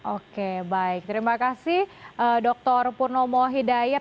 oke baik terima kasih dr purnomo hidayat